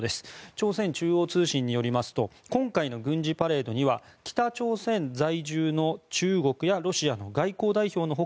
朝鮮中央通信によりますと今回の軍事パレードには北朝鮮在住の中国やロシアの外交代表の他